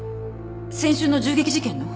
先週の銃撃事件の？